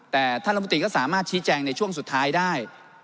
แต่ท่านรัฐมนตรีก็สามารถชี้แจงในช่วงสุดท้ายได้